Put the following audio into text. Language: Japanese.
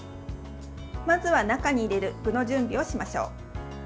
まずは、中に入れる具の準備をしましょう。